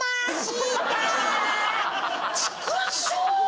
チクショー！！